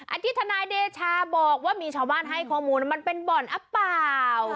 ที่ทนายเดชาบอกว่ามีชาวบ้านให้ข้อมูลมันเป็นบ่อนหรือเปล่า